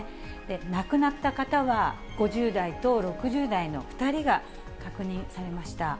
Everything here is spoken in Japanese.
亡くなった方は５０代と６０代の２人が確認されました。